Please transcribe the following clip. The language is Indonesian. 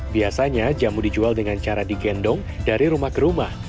biasanya jamu dijual dengan cara digendong dari rumah ke rumah